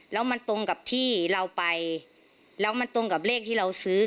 แล้วมันตรงกับที่เราไปแล้วมันตรงกับเลขที่เราซื้อ